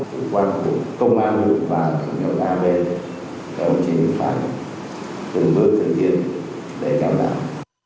chủ quan của công an và công an đều chỉ phải từng bước thực hiện để cảm giác